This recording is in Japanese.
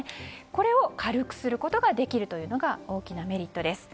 これを軽くすることができるのが大きなメリットです。